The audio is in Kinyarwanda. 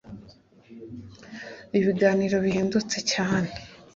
ibiganiro bihendutse cyane